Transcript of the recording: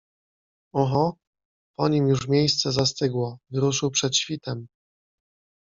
Oho, po nim już miejsce zastygło, wyruszył przed świtem.